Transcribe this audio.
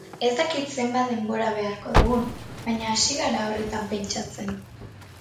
Ez dakit zenbat denbora beharko dugun, baina hasi gara horretan pentsatzen.